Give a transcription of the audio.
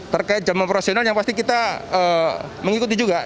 terkait jam operasional yang pasti kita mengikuti juga